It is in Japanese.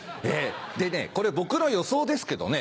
でね僕の予想ですけどね